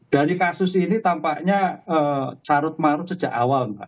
dari kasus ini tampaknya carut marut sejak awal mbak